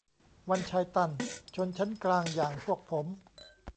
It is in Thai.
วันชัย ตัน : ชนชั้นกลางอย่างพวกผม